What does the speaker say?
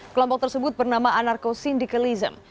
kelompok tersebut bernama anarko sindikalism